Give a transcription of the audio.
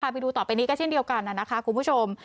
ไปดูต่อไปนี้ก็เช่นเดียวกันนะคะคุณผู้ชม